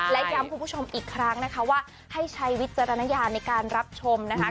และย้ำคุณผู้ชมอีกครั้งนะคะว่าให้ใช้วิจารณญาณในการรับชมนะคะ